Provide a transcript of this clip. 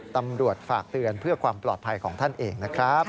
ฝากเตือนเพื่อความปลอดภัยของท่านเองนะครับ